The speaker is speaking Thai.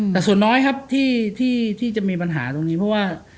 แต่ส่วนน้อยครับที่จะมีปัญหาตรงนี้เพราะว่า